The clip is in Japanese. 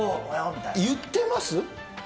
言ってます？